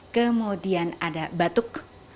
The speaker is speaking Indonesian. kemudian ada batuk